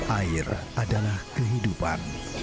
air adalah kehidupan